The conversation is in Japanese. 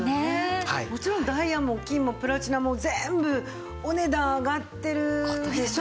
もちろんダイヤも金もプラチナも全部お値段上がってるでしょ？